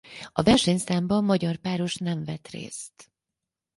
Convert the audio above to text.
A versenyszámban magyar páros nem vett részt.